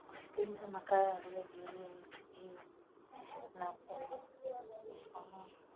kusikiliza makala yaliojiri wiki hii na pendo po